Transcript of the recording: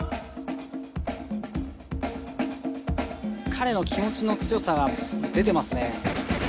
彼の気持ちの強さが出てますね。